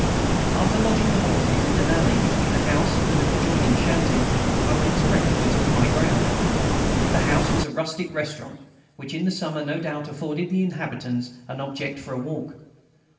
After lodging the horses in an alley between the house and an adjoining shanty I went to reconnoitre my ground. The house was a rustic restaurant, which in the summer no doubt afforded the inhabitants an object for a walk.